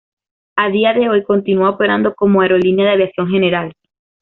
A día de hoy continúa operando como aerolínea de aviación general.